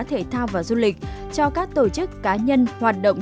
thể thao và du lịch cho các tổ chức cá nhân hoạt động